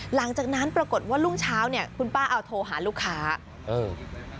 หลังจากนั้นปรากฏว่ารุ่งเช้าเนี่ยคุณป้าเอาโทรหาลูกค้าเออ